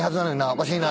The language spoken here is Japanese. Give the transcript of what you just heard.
おかしいな。